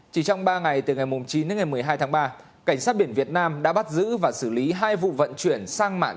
chỉ trong ba ngày từ ngày chín đến ngày một mươi hai tháng ba cảnh sát biển việt nam đã bắt giữ và xử lý hai vụ vận chuyển sang mạng